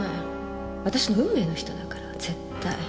私の運命の人だから絶対。